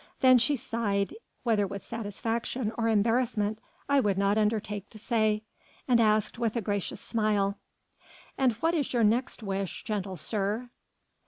Then she sighed, whether with satisfaction or embarrassment I would not undertake to say, and asked with a gracious smile: "And what is your next wish, gentle sir?"